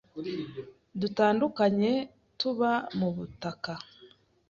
dutandukanye tuba mu butaka,